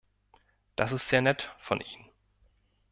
Das ist sehr nett von Ihnen.